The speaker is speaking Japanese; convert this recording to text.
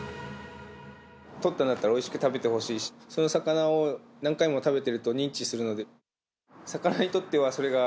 取ったんだったら、おいしく食べてほしいし、その魚を何回も食べてると認知するので。